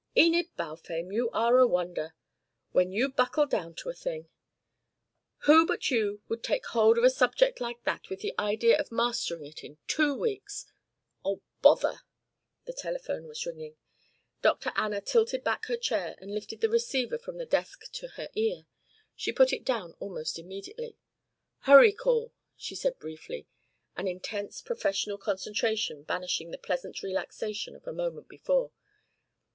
"Enid Balfame, you are a wonder! When you buckle down to a thing! Who but you would take hold of a subject like that with the idea of mastering it in two weeks Oh, bother!" The telephone was ringing. Dr. Anna tilted back her chair and lifted the receiver from the desk to her ear. She put it down almost immediately. "Hurry call," she said briefly, an intense professional concentration banishing the pleasant relaxation of a moment before.